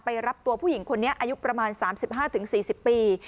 รับตัวผู้หญิงคนนี้อายุประมาณ๓๕๔๐ปี